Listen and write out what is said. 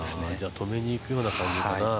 止めにいくような感じかな。